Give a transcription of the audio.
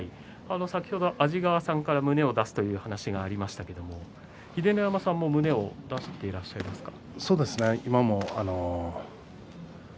先ほど安治川さんから胸を出すという話がありましたが秀ノ山さんも胸を出していらっしゃいますか。